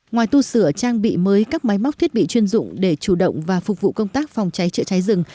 ngoài tu sửa trang bị mới các máy móc thiết bị chuyên dụng để chủ động và phục vụ công tác phòng cháy chữa cháy rừng